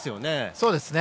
そうですね。